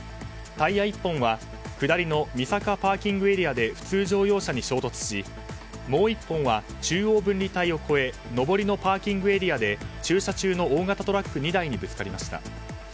タイヤ１本は下りの神坂ＰＡで普通乗用車に衝突しもう１本は中央分離帯を超え上りのパーキングエリアで駐車中の大型トラック２台にぶつかりました。